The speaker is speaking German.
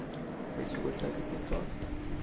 Welche Uhrzeit ist es dort?